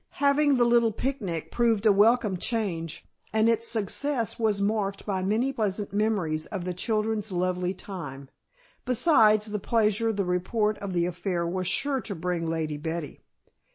Having the little picnic proved a welcome change, and its success was marked by many pleasant memories of the children's lovely time, besides the pleasure the report of the affair was sure to bring to Lady Betty.